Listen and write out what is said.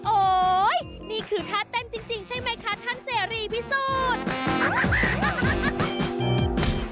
โอ๊ยนี่คือท่าเต้นจริงใช่ไหมคะท่านเสรีพิสูจน์